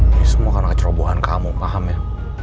ini semua karena kecerobohan kamu paham ya